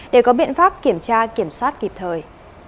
để có biện pháp kiểm tra kiểm soát kịp thời